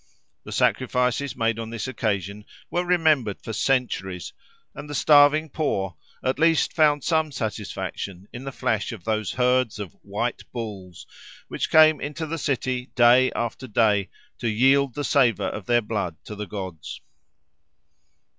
The sacrifices made on this occasion were remembered for centuries; and the starving poor, at least, found some satisfaction in the flesh of those herds of "white bulls," which came into the city, day after day, to yield the savour of their blood to the gods.